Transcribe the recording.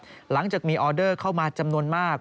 สวยงามครับหลังจากมีออเดอร์เข้ามาจำนวนมาก